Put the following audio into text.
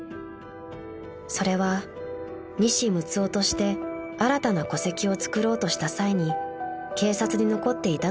［それは西六男として新たな戸籍をつくろうとした際に警察に残っていたという指紋］